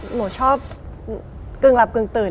หนูชอบกึ่งหลับกึ่งตื่น